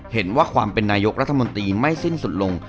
เห็นว่าความเป็นนายกรัฐมนตรีไม่สิ้นสุดลง